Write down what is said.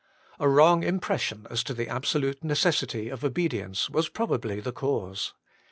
A wrong impression as to the absolute necessity of obedience was probably the cause.